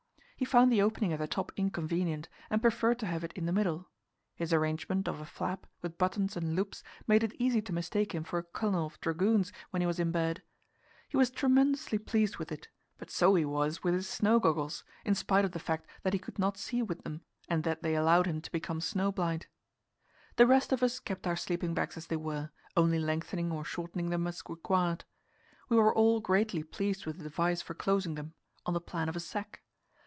He found the opening at the top inconvenient, and preferred to have it in the middle; his arrangement of a flap, with buttons and loops, made it easy to mistake him for a colonel of dragoons when he was in bed. He was tremendously pleased with it; but so he was with his snow goggles, in spite of the fact that he could not see with them, and that they allowed him to become snow blind. The rest of us kept our sleeping bags as they were, only lengthening or shortening them as required. We were all greatly pleased with the device for closing them on the plan of a sack.